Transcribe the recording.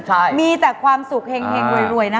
ใช่มีแต่ความสุขเห็งรวยนะคะ